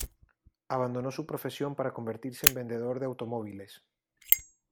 Abandonó su profesión para convertirse en vendedor de automóviles.